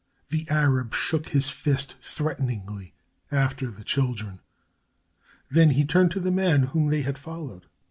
The Arab shook his fist threateningly after the children. Then he turned to the man whom they had followed.